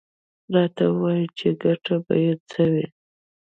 _راته ووايه چې ګټه به يې څه وي؟